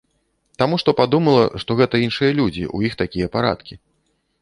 Таму што падумала, што гэта іншыя людзі, у іх такія парадкі.